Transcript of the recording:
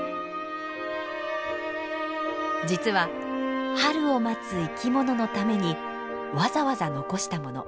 実は春を待つ生き物のためにわざわざ残したもの。